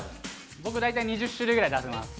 僕大体２０種類ぐらい出せます。